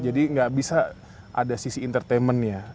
jadi tidak bisa ada sisi entertainmentnya